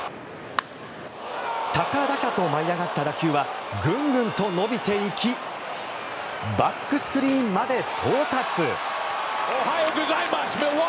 高々と舞い上がった打球はグングンと伸びていきバックスクリーンまで到達。